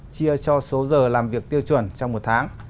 chia cho số giờ làm việc tiêu chuẩn trong một tháng